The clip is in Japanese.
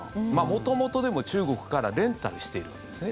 元々、でも中国からレンタルしているんですね。